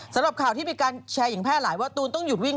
สำหรับข่าวที่มีการแชร์อย่างแพร่หลายว่าตูนต้องหยุดวิ่ง